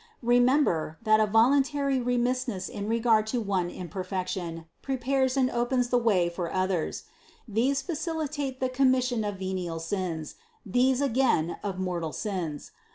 Remember, that a voluntary remissness in re gard to one imperfection prepares and opens the way for others : these facilitate the commission of venial sins, these again of mortal sins.